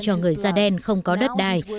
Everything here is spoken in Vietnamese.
cho người da đen không có đất đai